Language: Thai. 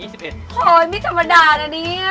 โฮยไม่กรรมดานะเนี่ย